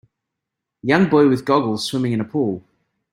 Young boy with goggles swimming in a pool.